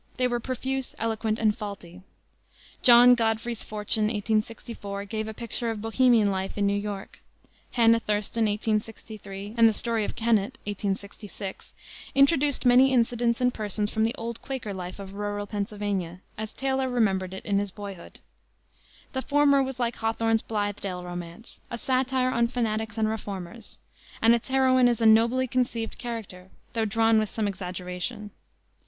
They were profuse, eloquent and faulty. John Godfrey's Fortune, 1864, gave a picture of bohemian life in New York. Hannah Thurston, 1863, and the Story of Kennett, 1866, introduced many incidents and persons from the old Quaker life of rural Pennsylvania, as Taylor remembered it in his boyhood. The former was like Hawthorne's Blithedale Romance, a satire on fanatics and reformers, and its heroine is a nobly conceived character, though drawn with some exaggeration.